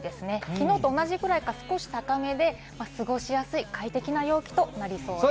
きのうと同じくらいか、少し高めで過ごしやすい快適な陽気となりそうです。